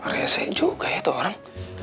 resek juga ya tuh orang